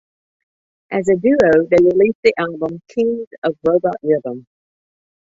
As a duo, they released the album "Kings of Robot Rhythm".